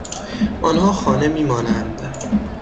آنها خانه میمانند.